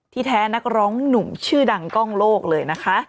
แท้นักร้องหนุ่มชื่อดังกล้องโลกเลยนะคะ